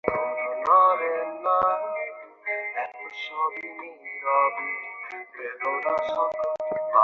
ছেলেরা এখনো তোমার অ্যাপার্টমেন্টে খোঁজাখুঁজি করছে।